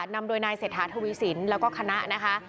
นำโดยนายเศรษฐาทวีสินแล้วก็คณะนะคะ